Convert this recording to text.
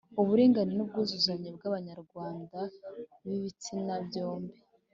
uburinganire n'ubwuzuzanye bw'abanyarwanda b'ibitsina byombi,